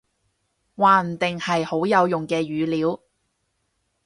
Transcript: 話唔定，係好有用嘅語料